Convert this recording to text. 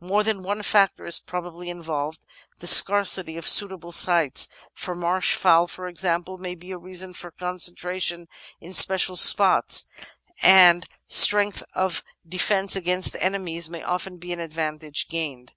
More than one factor is probably involved : the scarcity of suitable sites — for marsh fowl, for example — ^may be a reason for concen tration in special spots, and strength of defence against enemies may often be an advantage gained.